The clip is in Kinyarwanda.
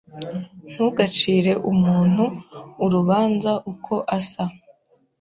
Ntugacire umuntu urubanza uko asa